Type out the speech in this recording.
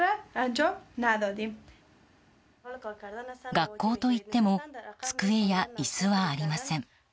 学校といっても机や椅子はありません。